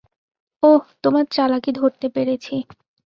ওহ, তোমার চালাকি ধরতে পেরেছি।